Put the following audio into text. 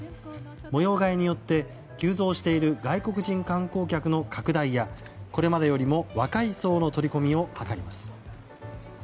模様替えによって、急増している外国人観光客の拡大やこれまでよりも若い層の取り込みを図ります。